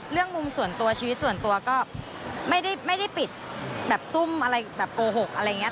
มุมส่วนตัวชีวิตส่วนตัวก็ไม่ได้ปิดแบบซุ่มอะไรแบบโกหกอะไรอย่างนี้